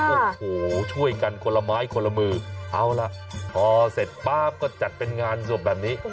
โอ้โหช่วยกันคนละไม้คนละมือเอาล่ะพอเสร็จป๊าบก็จัดเป็นงานศพแบบนี้